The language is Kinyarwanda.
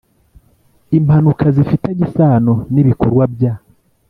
impanuka zifitanye isano n ibikorwa bya